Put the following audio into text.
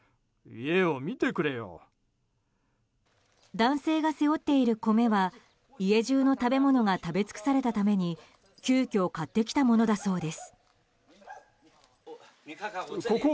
男性が背負っている米は家じゅうの食べ物が食べ尽くされたために急きょ買ってきたものだそうです。